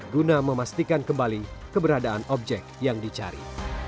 guna memastikan kembali keberadaan objek yang dicari